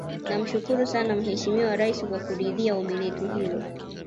Namshukuru sana Mheshimiwa Rais kwa kuridhia ombi letu hilo